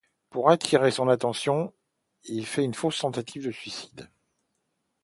Pour attirer son attention, elle fait une fausse tentative de suicide.